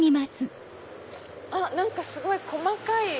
何かすごい細かい。